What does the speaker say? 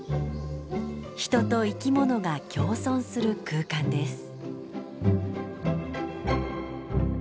人と生き物が共存する空間です。